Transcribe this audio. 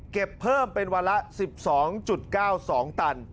เก็บเพิ่มเป็นวาระ๑๒๙๒ตัน